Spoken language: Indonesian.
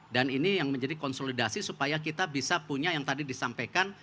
dan ini yang menjadi konsolidasi supaya kita bisa punya yang tadi disampaikan